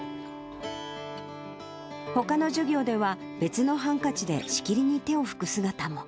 ほかの授業では、別のハンカチでしきりに手を拭く姿も。